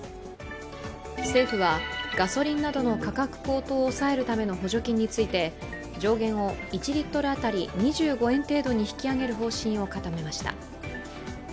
政府はガソリンなどの価格高騰を抑えるための補助金について上限を１リットル当たり２５円程度に引き上げる方針を固めました。